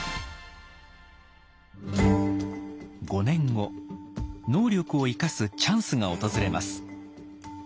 ５年後能力を生かすチャンスが訪れます。